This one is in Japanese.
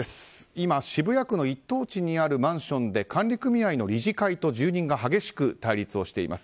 今、渋谷区の一等地にあるマンションで管理組合の理事会と住人が激しく対立をしています。